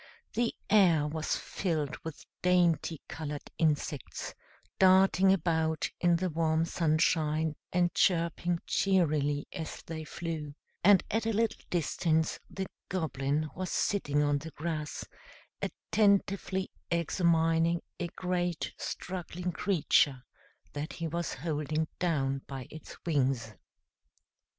The air was filled with dainty colored insects, darting about in the warm sunshine, and chirping cheerily as they flew, and at a little distance the Goblin was sitting on the grass, attentively examining a great, struggling creature that he was holding down by its wings.